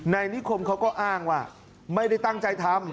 นายนิคมเขาก็อ้างว่าไม่ได้ตั้งใจทำ